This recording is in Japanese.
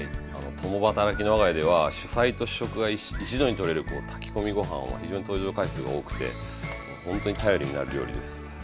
共働きの我が家では主菜と主食が一度にとれる炊き込みご飯は非常に登場回数が多くてほんとに頼りになる料理です。